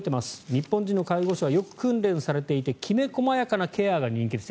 日本人の介護士はよく訓練されていてきめ細やかなケアが人気です。